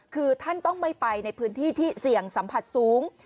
คือท่านต้องไม่ไปในพื้นที่ที่เสี่ยงสัมผัสสูง